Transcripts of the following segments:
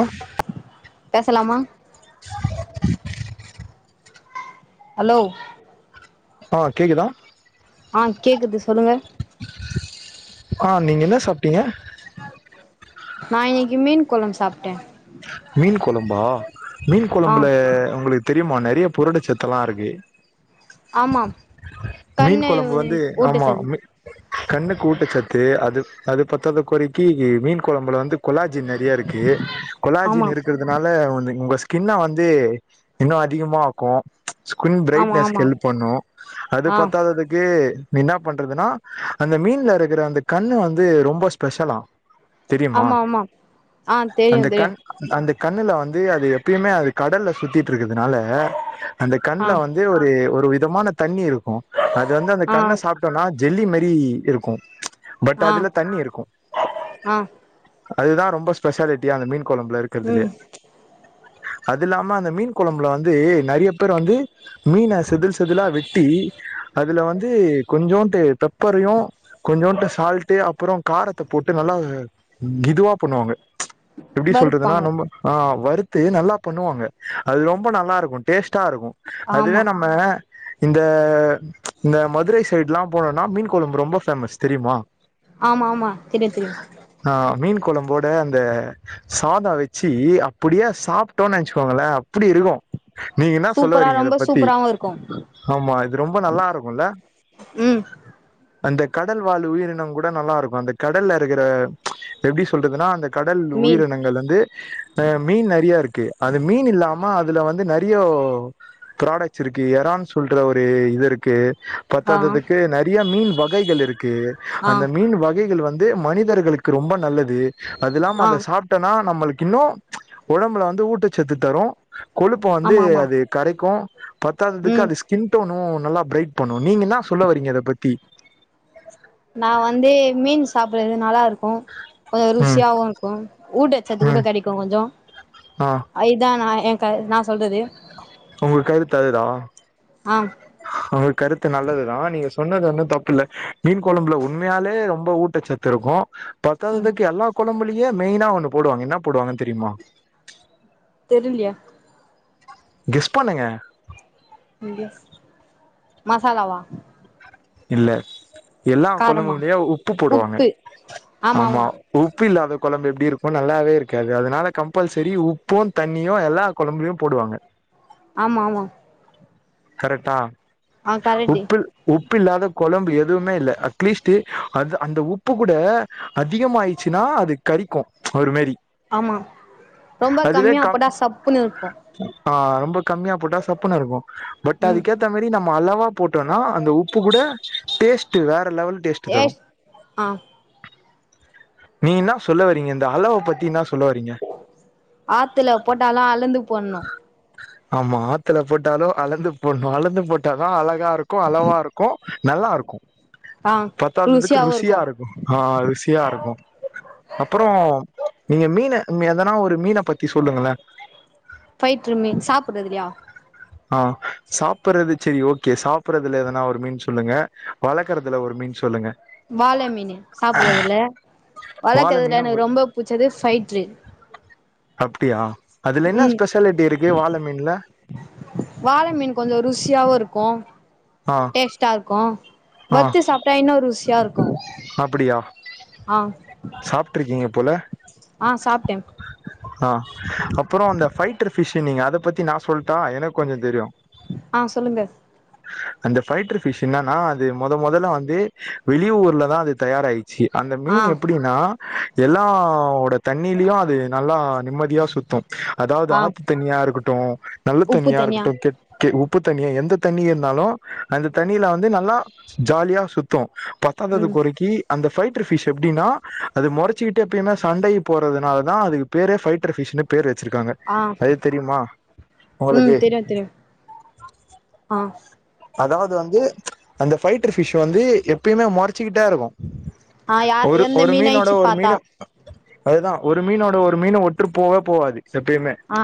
of பேசலாமா hello ஆ கேக்குதா ஆ கேக்குது சொல்லுங்க ஆ நீங்க என்ன சாப்டீங்க நா இன்னைக்கு மீன் கொழம்பு சாப்ட்டே மீன் குழம்பா மீன் ஆ குழம்புல உங்களுக்கு தெரியுமா நெறைய புருடச்சத்தல்லாருக்கு ஆமாம் மீன் கண்ணு குழம்பு வந்து ஓட்டு ஆமா சதி மீ கண்ணுக்கு ஊட்டச்சத்து அது அது பத்தாத கொறைக்கு மீன் குழம்புல வந்து கொலாஜின் நெறைய இருக்கு கொலாஜ் ஆமா இருக்கிறதுனால வந்து உங்க ஸ்கின்ன வந்து இன்னு அதிகமாக்கும் ம்ச் ஸ்குயின் ஆமா பிரைட்னஸ்க்கு ஆமா ஹெல்ப் பண்ணு அது ஆ பத்தாததுக்கு என்ன பண்றதுனா அந்த மீன்ல இருக்கிற அந்த கண்ணு வந்து ரொம்ப ஸ்பெஷலா தெரியுமா ஆமா ஆமா ஆ தெரியு தெரியு அ அந்த கண்ணுல வந்து அது எப்பயுமே அது கடல்ல சுத்திட்ருக்கிறதுனால அந்த ஆ கண்ல வந்து ஒரு ஒரு விதமான தண்ணி இருக்கு அது வந்து அந்த ஆ கண்ண சாப்ட் டோனா ஜெல்லி மாரி இருக்கு ம்ச் பட் ஆ அதுல தண்ணி இருக்கு ஆ அதுதா ரொம்ப ஸ்பெஷாலிட்டியே அந்த மீன் குழம்புல இருக்குறதுலயே ம் அதுல்லாம அந்த மீன் குழம்புல வந்து நெறையா பேரு வந்து மீன செதில் செதிலா வெட்டி அதுல வந்து கொஞ்சோண்டு பேப்பரையு கொஞ்சோண்ட்டு சால்ட்டு அப்புறோ காரத்த போட்டு நல்லா கிதுவா பண்ணுவாங்க எப்டி சொல்றதுன்னா வறுப்பாங்க நம்ப ஆ வறுத்து நல்லா பண்ணுவாங்க அது ரொம்ப நல்லா இருக்கு டேஸ்ட்டா இருக்கு ஆமா அதுவே நம்ம இந்த ம்ச் இந்த மதுரை சைடு் எல்லா போனோம்னா மீன் கொழம்பு ரொம்ப ஃபேமஸ் தெரியுமா ஆமா ஆமா தெரியு தெரியு ஆ மீன் குழம்போட அந்த சாதோ வெச்சி அப்புடியே சாப்பிட்டோன்னு நெனைச்சுக்கோங்களே அப்பிடி இருக்கு நீங்க என்ன சொல்ல சூப்பரா வறீங்க இத ரொம்ப பத்தி சூப்பராவு இருக்கு ஆமா இது ரொம்ப நல்லா இருக்குல ம் அந்த கடல் வாழ் உயிரினம் கூட நல்லா இருக்கு அந்த கடல்ல இருக்குற இப்ப எப்டி சொல்றதுன்னா அந்த கடல் மீன் உயிரினங்களே இருந்து அ மீன் நெறைய இருக்கு அது மீன் இல்லாம அதுல வந்து நெறியோ ப்ராடக்ட்ஸ் இருக்கு இரால் சொல்லிட்டு ஒரு இது இருக்கு ஆ பத்தாததுக்கு நெறைய மீன் வகைகள் இருக்கு ஆ அந்த மீன் வகைகள் வந்து இது மனிதர்களுக்கு ரொம்ப நல்லது அதுல்லாம ஆ அத சுட் ட்டு சாப்டோனா நம்மளுக்கு இன்னு ஒடம்புல வந்து ஊட்டச்சத்து தரு கொழுப்ப வந்து ஆமா ஆமா அது கரைக்கு பத்தாததுக்கு ம் அது ஸ்கிண்டோணு நல்லா பிரைட் பண்ணு நீங்க என்னா சொல்ல வரீங்க அத பத்தி நா வந்து மீன் சாப்றது நல்லா இருக்கு கொஞ்சோ ம் ருசியாவு இரு இங்கு ஊட்டசச்து கூட ம் கெடைக்கு கொஞ்சோ ஆ அதுக்குதா நா என் கத நா சொல்றது உங்க கருத்து அதுதா ஆ உங்க கருத்து நல்லதுதா நீங்க சொன்னது ஒன்னு தப்பில்ல மீன் கொழம்புல உண்மையாலே ரொம்ப ஊட்ட சத்து இருக்கு ம் பத்தாததுக்கு எல்லா கொழம்புலயே மெயினா ஒன்னு போடுவாங்க என்ன போடுவாங்க தெரியுமா தெரிலியா கெஸ் பண்ணுங்க [unintelligible] மசாலா வா இல்ல எல்லா காரமா கொழம்புலியு உப்பு போடுவாங்க ஆமா உப்பு இல்லாத கொழம்பு எப்டி இருக்கு நல்லாவே இருக்காது அதனால கம்பல்சரி உப்பு தண்ணியு எல்லா கொழம்புலியு போடுவாங்க ஆமா ஆமா கரெட்டா ஆ கரெக்ட்டு உப்பி இல்லாத கொழம்பு எதுவுமே இல்ல அட்லீஸ்ட் அந்த அந்த உப்பு கூட அதிகம்மாய்ட்சுன்னா அது கரிக்கு ஒரு மாரி ஆமா ரொம்ப அதுவே கம்மியா கம் போட்டா சப்புன்னு இருக்கு ஆ ரொம்ப கம்மியா போட்டா சப்புன்னு இருக்கு பட் ம் அதுக்கேத்தா மாரி நம்ம அளவாக போட்டோன்னா அந்த உப்பு கூட டேஸ்ட்டு வேற லெவல் டேஸ்ட்டு தரு அ நீ என்னா சொல்ல வரீங்க இந்த அளவ பத்தி என்னா சொல்ல வரீங்க ஆத்துல போட்டாலு அளந்து போடணு ஆமா ஆத்துல போட்டாலு அலந்து போடணு அலந்து போட்டாதா அழகாருக் இருக்கு அளவா இருக்கு நல்லா இருக்கு ஆ பத்தாததுக்கு ருசியா இருக்கு அ ருசியா இருக்கு அப்றோ நீங்க மீன எதனா ஒரு மீன பத்தி சொல்லுங்களே பயிற்று மீன் சாப்புட்றதுல்லியா அ சாப்புட்றது சரி ஓகே சாப்புட்டறதுல எதனா ஒரு மீன் சொல்லுங்க வளக்குறதுல ஒரு மீன் சொல்லுங்க வாழமீனு சாப்புறதுல வால வளக்குறதுல மீனு உங்க எனக்கு ரொம்ப புடிச்சது பைட்ரு அப்டியா அதுல என்ன ஸ்பெஷாலிட்டி இருக்கு வாழ மீன்ல வாள மீன் கொஞ்சோ ருசியாவு இருக்கு ஆ டேஸ்ட்டா இருக்கு ஆ வற்த்து சாப்ட்டா இன்னு ருசியா இருக்கு அப்டியா ஆ சாப்ட்ருக்கீங்க போல ஆ சாப்ட்டே ஆ அப்றோ அந்த பைட்ரு பிஷ்னீங்க அத பத்தி நா சொல்ட்டா எனக்கு கொஞ்சோ தெரியு அ சொல்லுங்க அந்த ஃபைட்டர் ஃபிஷ் என்னன்னா அது மொத மொதல்ல வந்து வெளி ஊர்ல தா அது தயாராயி ச்சி அந்த ஆ மீன் எப்டின்னா எல்லாவோட தண்ணீலயு அது நல்லா நிம்மதியா சுத்து அதாவது ஆ ஆத்து தண்ணியா இருக்கட்டு நல்ல உப்பு தண்ணியா தனியா இருக்கட்டு உப்பு தண்ணியா எந்த தண்ணி இருந்தாலு அந்த தண்ணியில வந்து நல்லா ஜாலியா சுத்து பத்தாதது ம் கொறைக்கி அந்த ஃபைட்டர் ஃபி்ஷ் எப்டினா அது மொறச்சிக்கிட்டு எப்பிமே சண்டைக்கு போறதுனால தா அதுக்கு பேரே பைட்டர் பிஷ் பேர் வச்சுருக்காங்க ஆ அது தெரிமா உங்களுக்கு ஆ தெரியு ஆ அதாவது வந்து அந்த ஃபைட்டர் ஃபிஷ் வந்து எப்பயுமே மொறச்சிக்கிட்டே இருக்கு ஆ யா ஒரு எந்த ஒரு மீனோட மீனாயிச்சு ஒரு பாத்தா மீனு அதுதா ஒரு மீனோட ஒரு மீனு ஒட்டு போக போவாது எப்பயுமே ஆ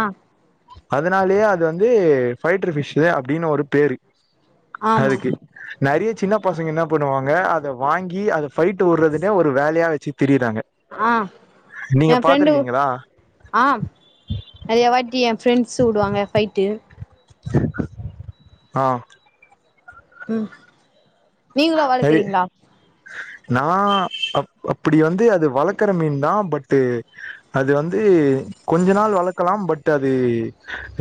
அதனாலேயே அது வந்து ஃபைடர் ஃபிஷு அப்டின்னு ஒரு பேரு ஆமா அதுக்கு நெறைய சின்ன பசங்க என்ன பண்ணுவாங்க அத வாங்கி அத ஃபைட்டு விடுறதுனே ஒரு வேலையா வச்சி திரியுறாங்க ஆ என் ஃப்ரெண்டு ஆ நறைய வாட்டி என் ஃப்ரெண்ட்ஸ் வுடுவாங்க ஃபைட்டு ஆ ம் நீங்களு நெறைய வளக்குறீங்ளா நா அ அப்டி வந்து அது வளர்க்கற மீன் தா பட்டு் அது வந்து கொஞ்ச நாள் வளக்கலாம் பட் அது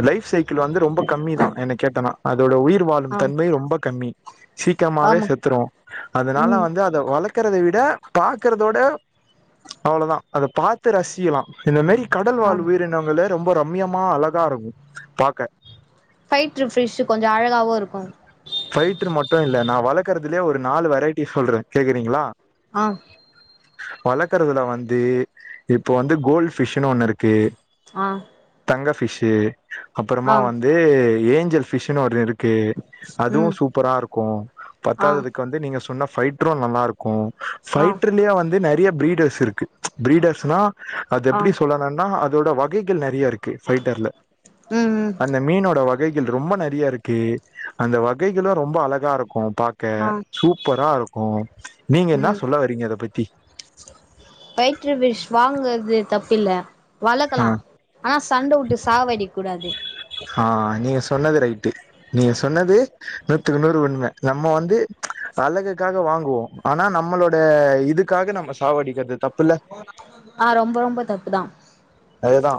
லைப் சைக்கிள் இது வந்து ரொம்ப கம்மி தா என்ன கேட்டனா அதோட உயிர் ஆ வாழும் தன்மை ரொம்ப கம்மி சீக்கிரமாவே ஆமா செத் துரு அதனால ம் வந்து அத வளர்க்கறத விட பாக்கறத விட அவ்ளவுதா அத பாத்து ரசிக்கலா இந்த மாரி கடல் ஆ வாழ் உயிரினங்கள ரொம்ப ரம்மியமா அழகா இருக்கு பாக்க ஃபைட்டர் ஃபிஷ்சு கொஞ்ச அழகாவு இருக்கு ஃபைட்டர் மட்டு இல்ல நா வளர்க்கறதுலே ஒரு நாலு வெரைட்டி சொல்ற கேக்குறீங்ளா ஆ வளர்க்கறதுல வந்து இப்போ வந்து கோல்டு ஃபிஷ்ன்னு ஒன்னு இருக்கு ஆ தங்க ஃபிஷ்சு ஆ அப்பறமா வந்து ஏஞ்சல் ஃபிஷ்ன்னு ஒன்னு இருக்கு அதுவு ம் சூப்பரா இருக்கு ஆ பத்தாததுக்கு வந்து நீங்க சொன்ன ஃபைட்ரு நல்லா இருக் கு ஆ ஃபைடர்லே வந்து நெறைய பிரீடர்ஸ் இருக்கு பீடர்ஸ்னா அது ஆ எப்டி சொல்லலான்னா அதோட வகைகள் நெறைய இருக்கு ஃபைட்டர்ல ம் ம் அன் அந்த மீனோட வகைகள் ரொம்ப நெறைய இருக்கு அந்த வகைகளு ரொம்ப அழகா இருக்கு பா க்க ஆ சூப்பரா இருக்கு நீங்க என்ன சொல்ல வறீங்க அத பத்தி ஃபைட்டர் ஃபிஷ் வாங்கறது தப்பில்ல ஆ வளக்கலா ஆனா சண்ட விட்டு சாவடிக்க கூடாது ஆ நீங்க சொன்னது ரைட்டு நீ சொன்னது நூத்துக்கு நூறு உண்ம நம்ம வந்து அழகுக்காக வாங்குவோ ஆனா நம்மளோட இதுக்காக நம்ம சாவடிக்குறது தப்புல ஆ ரொம்ப ரொம்ப தப்பு தா அதுதா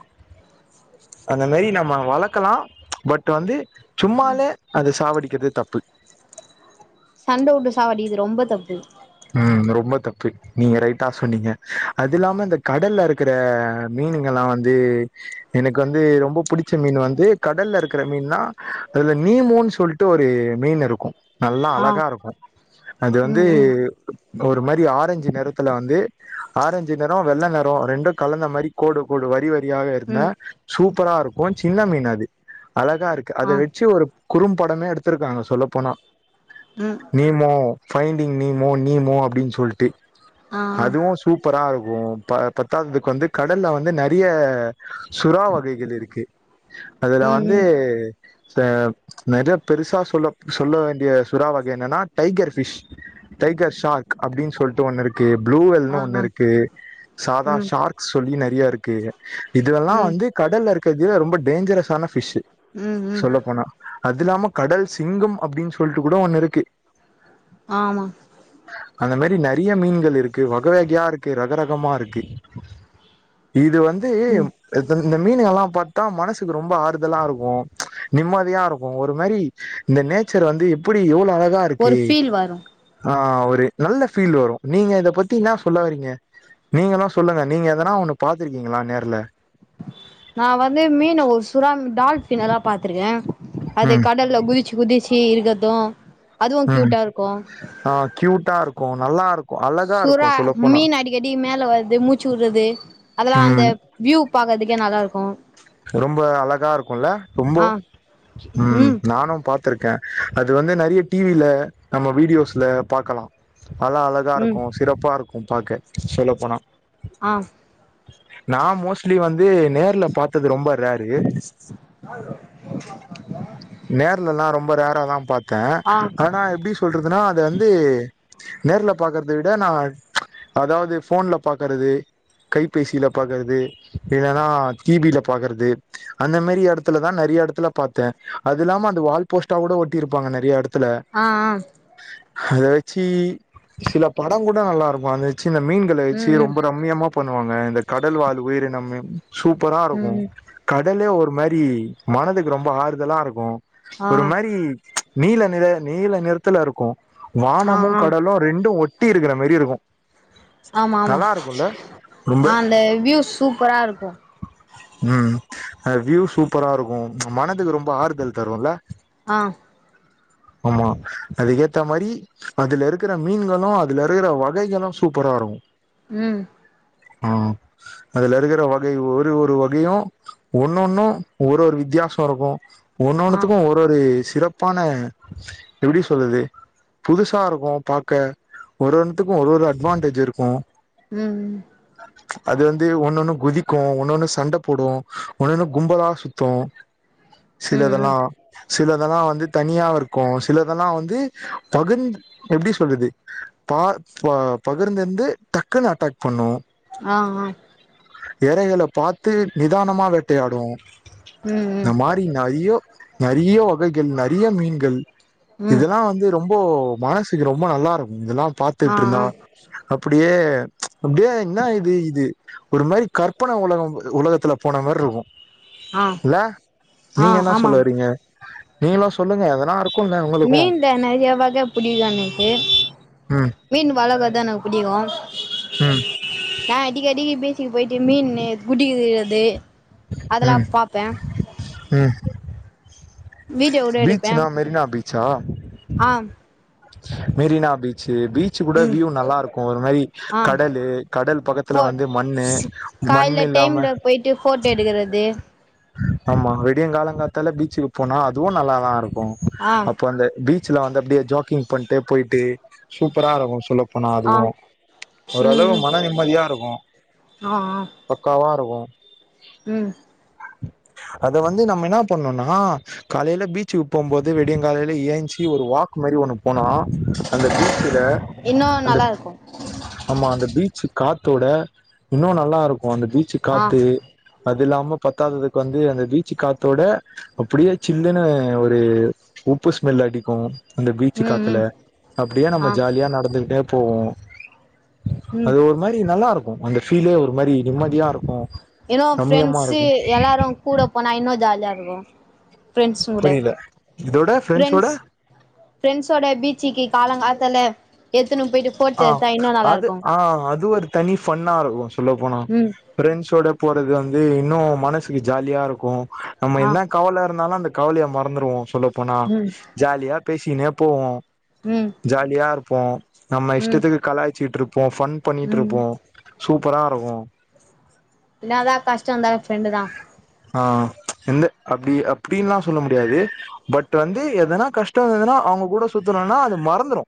அந்த மாரி நம்ம வளர்க்கலா பட் வந்து சும்மாலே அத சாவடிக்கிறது தப்பு சண்ட உட்டு சாவடிக்கிறது ரொம்ப தப்பு ம் இந்த ரொம்ப தப்பு நீங்க ரைட்டா சொன்னீங்க அது இல்லாம இந்த கடல்ல இருக்கற மீனுங்கல்லா வந்து எனக்கு வந்து ரொம்ப புடிச்ச மீன் வந்து கடல்ல இருக்கற மீன்னா அதுல நீமூன்னு சொல் ட்டு ஒரு மீன் இருக்கு நல்லா ஆ அழகா இருக்கு அது வந்து ம் ம் ஒரு மாரி ஆரஞ்சு நிறத்துல வந்து ஆரஞ்சு நெறோ வெள்ள நெறொ ரெண்டு கலந்த மாரி கோடு கோடு வரி வரியாக இருந்த ம் சூப்பரா இருக்கு சின்ன மீன் அது அழகா இருக்கு அத ஆ வெச்சு ஒரு குறும்படமே எடுத்திருக்காங்க சொல்ல போனா ம் நீமோ ஃபைண்டிங் நீமோ நீமோ அப்டின் சொல்ட்டு ஆ ஆ அதுவு சூப்பரா இருக்கு ப பத்தாதுக்கு வந்து கடல்ல வந்து நெறைய சுறா வகைகள் இருக்கு அதுல ம் வந்து ம் ச நெறையா பெருசா சொல்ல சொல்ல வேண்டிய சுறா வகை என்னனா டைகர் ஃபிஷ் டைகர் ஷார்க் அப்டின்னு சொல்டு ஒண்ணு இருக்கு ப்ளூவெல்னு ஆ ஒண்ணு ஆ இருக்கு சாதா ம் ஷார்க் சொல்லி நெறையா இருக்கு இதுலல்லா ம் வந்து கடல்ல இருக்கறது விட ரொம்ப டேஞ்ஜரஸான ஃபிஷு ம் ம் சொல்ல போனா அது இல்லாம கடல் சிங்கம் அப்டின்னு சொல்ட்டு கூட ஒண்ணு இருக்கு ஆமா அந்த மாரி நெறையா மீன்கள் இருக்கு வக வகையா இருக்கு ரகரகமா இருக்கு இது வந்து ம் இந்த மீனுக எல்லா பாத்தா மனசுக்கு ரொம்ப ஆறுதலா இருக்கு நிம்மதியா இருக்கு ஒரு மாரி இந்த நேச்சர் வந்து எப்டி எவ்ளோ அழகா இருக்கு த்தி வரு ஆ ஒரு நல்ல ஃபீல் வரு நீங்க இத பத்தி என்னா சொல்ல வறீங்க நீங்கல்லா சொல்லுங்க நீங்க எதனா ஒன்னு பாத்திருக்கீங்ளா நேர்ல நா வந்து மீன் ஒரு சுறா டால்ஃபின் எல்லா பாத்திருக்கேன் அது ம் கடல்ல குதிச்சு குதிச்சு இருக்கறது ம் ஆ க்யூட்டா இருக்கு நல்லா இருக்கு அழகா இருக்கு சொல்ல போனா செடி மேல வர்றது மூச்சு விடறது அதெல்லா அந்த ம் வியூ பாக்கறதுக்கே நல்லா இருக்கு ரொம்போ அழகா இருக்குல்ல ரொம்போ ஆ ம் நானு பா த்திருக்க அது வந்து நெறையா டி வில நம்ம வீடியோஸ்ல பாக்கலா அலா அழகா ம் இருக்கு சிறப்பா இருக்கு பாக்க சொல்ல போனா ஆ நா மோஸ்ட்லி வந்து நேர்ல பாத்தது ரொம்ப ரேரு நேர்லல்லா ரொம்ப ரேராதா பாத்த ஆ ஆனா எப்டி சொல்றதுனா அத வந்து நேர்ல பாக்கறத விட நா அதாவது ஃபோன்ல பாக்கறது கைபேசில பாக்கறது இல்லனா டி வில பாக்கறது அந்த மாரி எடத்துலதா நெறையா எடத்துல பாத்த அது இல்லாம அந்த வால்போஸ்ட்டா கூட ஒட்டி இருப்பாங்க நெறையா எடத்துல ஆ ஆ அத வெச்சு சில படங் கூட நல்லா இருக்கு அந்த சின்ன மீன்கள வெச்சு ம் ம் ரொம்ப ரம்மியமா பண்ணுவாங்க இந்த கடல் வாழ் உயிரினம் சூப்பரா ம் இருக்கு ம் கடலே ஒரு மாரி மனதுக்கு ரொம்ப ஆறுதலா இருக்கு ஆ ஒரு மாரி நீல நிற நீல நிறத்துல இருக்கு ஆ வானமு ஆ கடலு ரெண்டு ஒட்டி இருக்கிற மாரி இருக்கு ஆமாமா நல்லா இருக்குல்ல ரொம்ப அந்த வியூ சூப்பரா இருக்கு ம் அது சூப்பராருக்கு மனதுக்கு ரொம்போ ஆறுதல் தரு இல்ல ஆ ஆமா அதுக்கேத்த மாரி அதுல இருக்கிற மீன்களு அதுல இருக்கிற வகைகளு சூப்பரா இருக்கு ம் ம் அதுல இருக்கற வகை ஒரு ஒரு வகையு ஒன்னொன்னு ஒரு ஒரு வித்தியாசோ இருக்கு ஆ ஒன்னொன்னுத்துக்கு ஒரு ஒரு சிறப்பான எப்டி சொல்றது புதுசா இருக்கு பாக்க ஒரு ஒண்த்துக்கு ஒரு ஒரு அட்வான்டேஜ் இரு க்கு ம் ம் அது வந்து ஒன்னொன்னு குதிக்கு ஒன்னொன்னு சண்ட போடு ஒன்னொன்னு கும்பலா சுத்து ம் ம் சிலதுலா சிலதெல்லா வந்து தனியா இருக்கு சிலதெல்லா வந்து பகுந்து எப்டி சொல்லுது பா ப பகிர்ந்திருந்து டக்குன்னு அட்டாக் பண்ணு ஆ ஆ எறைகள பாத்து நிதானமா வேட்டையாடு ம் ம் இப்டி நெறைய நெறைய வகைகள் நெறைய மீன்கள் ம் இதுல்லா வந்து ரொம்போ மனசுக்கு ரொம்போ நல்லா இருக்கு இதெல்லா ஆ ஆ பாத்துக்ட்ருந்தா அப்படியே அப்டியே என்ன இது இது ஒரு மாரி கற்பன ஒலகம் உலகத்துல போன மாரிருக்கு ஆ இல்ல ஆ நீங்க என்ன ஆமாம் சொல்லவறீங்க நீங்கல்லா சொல்லுங்க எதனா இருக்குன்ல்ல உங்களுக்கு [unintelligible] நெறையா வக புடிக்கு எனக்கு ம் மீன் வளகத எனக் புடிக்கு ம் அடிக்கடிக்கி பீஜ்சிக்கு போயிட்டு மீன்னு புடிக்குது அது அதெல்லா ம் பாப்பே ம் வீடியோ கூட எடுப்பே பீச்னா மெரினா பீச்சா அ மெரினா பீ ச்சு கூட ம் வியூ நல்லாருக்கு ஒரு மாரி ஆ கடலு கடல் பக்கத்துல வந்து மண்ணு மண் கால்ல இல்லாம டைம்ல போயிட்டு போட்டோ எடுக்கறது ஆமா விடியங் கால காத்தால பீஜ்சுக்கு போனா அதுவு நல்லாதா இருக்கு ஆ அப்போ அந்த பீ ஜ்சில வந்து அப்டியே ஜாக்கிங் பண்ட்டு போய்ட்டு சூப்பரா இருக்கு சொல்ல போனா ஆ அதுவு ம் ஓரளவு ம் மன நிம்மதியா இருக்கு ஆ ஆ பக்காவா இருக்கு ம் அத வந்து நம்ம என்னா பண்ணுனா காலைல பீச்சிக்கு போம்போது விடியங் காலைல ஏஞ்சி ஒரு வாக் மாரி ஒன்னு போனா அந்த பீச்சில இன்னு அந்த நல்லா இருக்கு ஆமா அந்த பீச்சி காத்தோட இன்னு நல்லாருக்கு அந்த பீச்சி ஆ காத்து அது இல்லாம பத்தாததுக்கு வந்து அந்த பீச்சி காத்தோட அப்டியே சில்லுன்னு ஒரு உப்பு ஸ்மெல் அடிக்கு அந்த பீச்சி ம் காத்துல ம் அப்டியே நம்ம ஆ ஜாலியா நடந்துகிட்டே போவோ ம் அது ஒரு மாரி நல்லாருக்கு அந்த ஃபீலே ஒரு மாரி நிம்மதியா இருக்கு இன்னு ரம்யமா ஃப்ரெண்டஸு இருக்கு எல்லாரு கூட போனா இன்னு ஜாலியா இருக்கு ஃப்ரெண்ஸ்ஸுங் கூட புரில இதோட ஃப்ரெண்ட்ஸோட ஃப்ரெண்ஸ் ஃப்ரெண்ஸ்சோட பீச்சுக்கு காலங்காத்தால எத்துன்ணு போயிட்டு போட்டோ ஆ எடுத்தா இன்னு நல்லா அது இருக்கு ஆ அது ஒரு தனி ஃபன்னா இருக்கும் சொல்ல போனா ம் ப்ரெண்ட்ஸோட போறது வந்து இன்னு மனசுக்கு ஜாலியா இருக்கு நம்ம ஆ என்னா கவல இருந்தாலு அந்த கவலைய மறந்துருவோம் சொல்ல போனா ம் ஜாலியா பேசினே போவோம் ம் ஜாலியா இருப்போம் நம்ம ம் இஷ்டத்துக்கு கலாயச்சிட்டு இருப்போம் ஃபன் பண்ணிட்டு ம் இருப்போம் சூப்பரா இருக்கும் என்னா தா கஷ்டோ இருந்தாலு ஃப்ரெண்டு தா ஆ எந்த அப்டி அப்டின்லா சொல்ல முடியாது பட் வந்து எதனா கஷ்டம் இருந்துனா அவுங்க கூட சுத்தணுனா அது மறந்துடு